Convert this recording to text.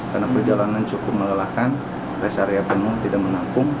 karena perjalanan cukup melelahkan res area penuh tidak menampung